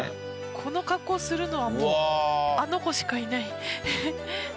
この格好するのはもうあの子しかいない。